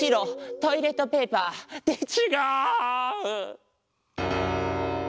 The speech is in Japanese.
トイレットペーパー。ってちがう！